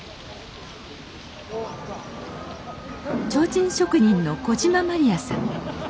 提灯職人の小島まりやさん。